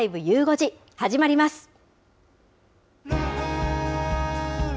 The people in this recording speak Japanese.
ゆう５時、始まります。